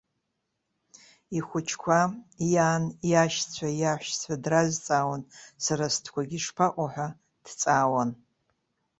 Ихәыҷқәа, иан, иашьцәа, иаҳәшьцәа дразҵаауан, сара стәқәагьы шԥаҟоу ҳәа дҵаауан.